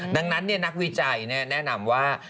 ดังนั้นนั่นเนี่ยนักวิจัยแนะนำว่า